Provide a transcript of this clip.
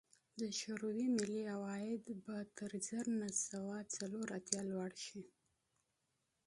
د شوروي ملي عواید به تر زر نه سوه څلور اتیا لوړ شي